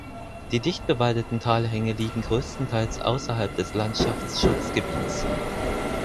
Die dicht bewaldeten Talhänge liegen größtenteils außerhalb des Landschaftsschutzgebiets.